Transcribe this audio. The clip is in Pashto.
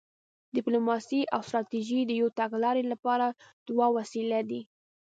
ډیپلوماسي او ستراتیژي د یوې تګلارې لپاره دوه وسیلې دي